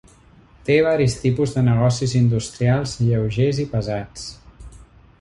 Té varis tipus de negocis industrials lleugers i pesats.